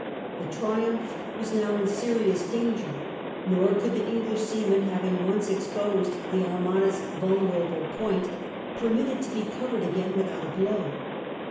The Triumph was now in serious danger ; nor could the English seamen, having once exposed the Armada's vulnerable point, permit it to be covered again without a blow.